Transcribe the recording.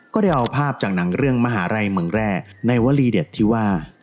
ก็ได้เอาภาพจากหนังเรื่องมหาลัยเมืองแร่ในวลีเด็ดที่ว่า